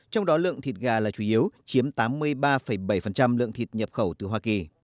trong đó lượng thịt gà là chủ yếu chiếm tám mươi ba bảy lượng thịt nhập khẩu từ hoa kỳ